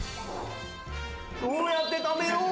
どうやって食べよう？